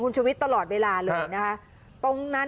คุณชูวิทย์ก็ยืนตะโกนท้าทาย